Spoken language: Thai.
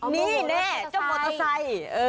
นี่แน่จะหมดใส่